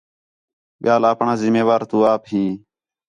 ٻِیال آپݨاں ذِمّہ وار تو آپ ہین